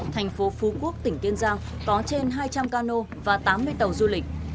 thành phố phú quốc tỉnh kiên giang có trên hai trăm linh cano và tám mươi tàu du lịch